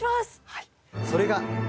はい。